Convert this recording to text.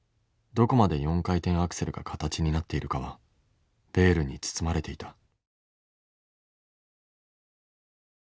どこまで４回転アクセルが形になっているかはベールに包まれていた。